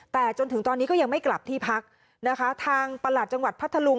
แต่จนถึงตอนนี้ก็ยังไม่กลับที่พักนะคะทางประหลัดจังหวัดพัทธลุง